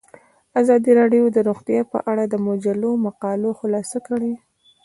ازادي راډیو د روغتیا په اړه د مجلو مقالو خلاصه کړې.